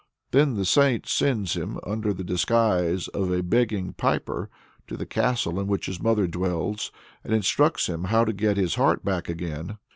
Then the saint sends him, under the disguise of a begging piper, to the castle in which his mother dwells, and instructs him how to get his heart back again.